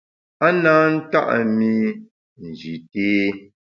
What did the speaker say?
A na nta’ mi Nji té.